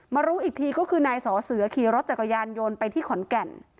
รู้อีกทีก็คือนายสอเสือขี่รถจักรยานยนต์ไปที่ขอนแก่น